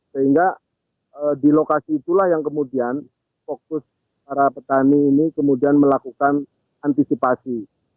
sehingga di lokasi itulah yang kemudian fokus para petani ini kemudian melakukan antisipasi